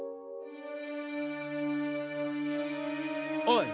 おい。